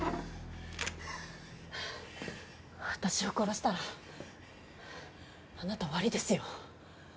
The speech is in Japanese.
私を殺したらあなた終わりですよ